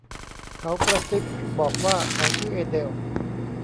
เขากระซิบบอกว่าเขาชื่อเอเดล